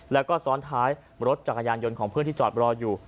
แล้วก็ซ้อนท้ายรถจักรยานยนต์ของเพื่อนที่จอดรออยู่